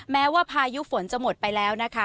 แม้ว่าพายุฝนจะหมดไปแล้วนะคะ